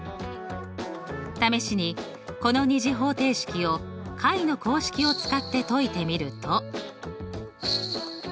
試しにこの２次方程式を解の公式を使って解いてみると。